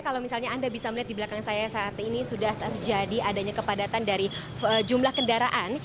kalau misalnya anda bisa melihat di belakang saya saat ini sudah terjadi adanya kepadatan dari jumlah kendaraan